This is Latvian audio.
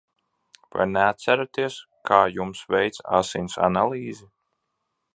Vai neatceraties, kā jums veica asins analīzi?